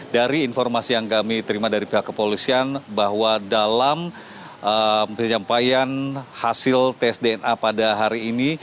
dari informasi yang kami terima dari pihak kepolisian bahwa dalam penyampaian hasil tes dna pada hari ini